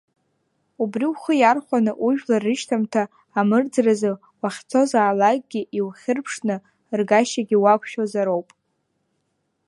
Убри ухы иархәаны ужәлар рышьҭамҭа амырӡразы, уахьцозаалакгьы иухьырԥшны ргашьагьы уақәшәозароуп!